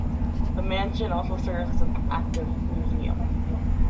The mansion also serves as an active museum.